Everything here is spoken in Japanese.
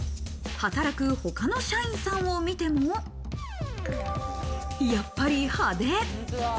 働く他の社員さんを見ても、やっぱり派手。